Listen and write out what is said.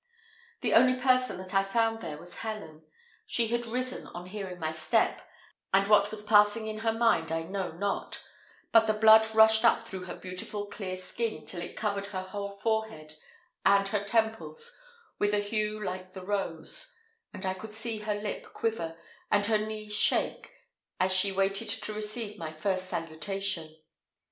The only person that I found there was Helen. She had risen on hearing my step, and what was passing in her mind I know not, but the blood rushed up through her beautiful clear skin till it covered her whole forehead and her temples with a hue like the rose; and I could see her lip quiver, and her knees shake, as she waited to receive my first salutation.